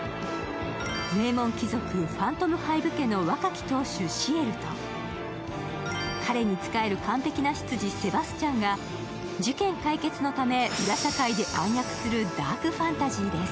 名門貴族、ファントムハイヴ家の若き当主・シエルと、彼に仕える完璧な執事、セバスチャンが裏社会で暗躍するダークファンタジーです。